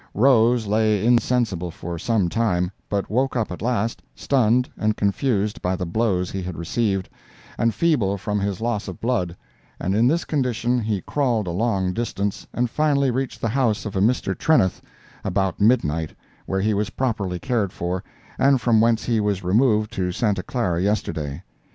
Rose lay insensible for some time, but woke up at last, stunned and confused by the blows he had received, and feeble from his loss of blood, and in this condition he crawled a long distance, and finally reached the house of a Mr. Trenneth, about midnight, where he was properly cared for, and from whence he was removed to Santa Clara yesterday.